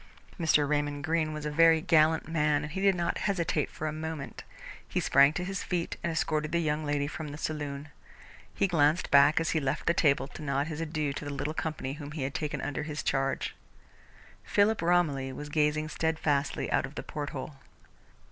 Mr. Raymond Greene was a very gallant man, and he did not hesitate for a moment. He sprang to his feet and escorted the young lady from the saloon. He glanced back, as he left the table, to nod his adieux to the little company whom he had taken under his charge. Philip Romilly was gazing steadfastly out of the porthole.